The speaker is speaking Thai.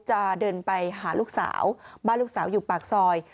จะเดินไปหาลูกสาวบ้านลูกสาวอยู่ปากซอย